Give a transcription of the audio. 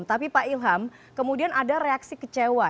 tapi pak ilham kemudian ada reaksi kecewa